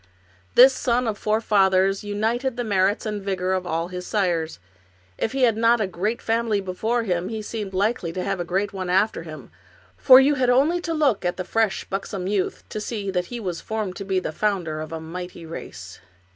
This son of four fathers united the merits and the vigor of all his sires. If he had not had a great family before him he seemed likely to have a great one after him, for you had only to look at the fresh, buxom youth to see that he was formed to be the founder of a mighty race.